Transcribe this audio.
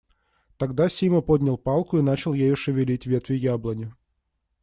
Тогда Сима поднял палку и начал ею шевелить ветви яблони.